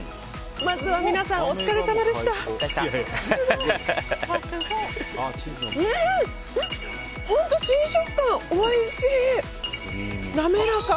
まずは皆さん、お疲れさまでした。